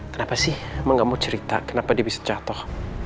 kenapa sih emang gak mau cerita kenapa dia bisa contoh